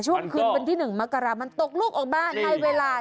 ช่วงขึ้นเป็นที่หนึ่งมักการะมันตกลูกออกมาให้เวลา